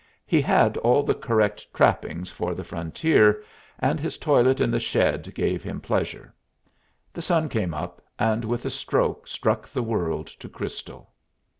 He had all the correct trappings for the frontier, and his toilet in the shed gave him pleasure. The sun came up, and with a stroke struck the world to crystal.